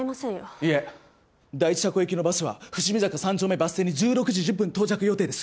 いえ第一車庫行きのバスは富士見坂３丁目バス停に１６時１０分到着予定です。